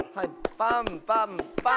パンパンパン。